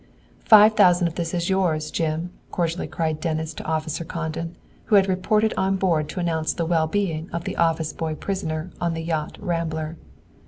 "Five thousand of this is yours, Jim," cordially cried Dennis to Officer Condon, who had reported on board to announce the well being of the office boy prisoner on the yacht "Rambler."